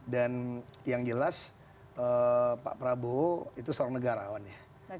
dan yang jelas pak prabowo itu seorang negarawan ya